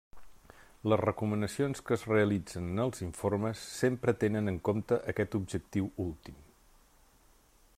Les recomanacions que es realitzen en els informes sempre tenen en compte aquest objectiu últim.